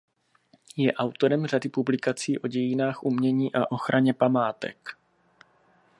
Je autorem řady publikací o dějinách umění a ochraně památek.